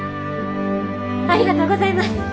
ありがとうございます！